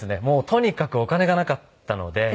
とにかくお金がなかったので。